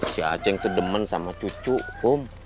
si aceh yang terdemen sama cucu om